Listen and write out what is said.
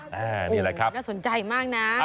นี่แหละครับน่าสนใจมากนะ